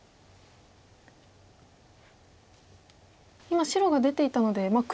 今白が出ていったので黒